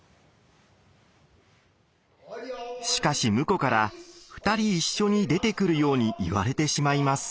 しかし聟から２人一緒に出てくるように言われてしまいます。